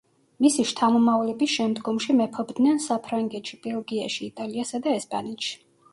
მისი შთამომავლები შემდგომში მეფობდნენ საფრანგეთში, ბელგიაში, იტალიასა და ესპანეთში.